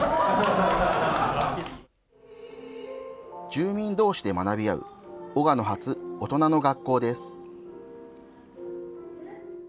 住民どうしで学び合う、おがの発・大人の学校です。